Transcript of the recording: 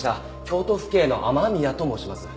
京都府警の雨宮と申します。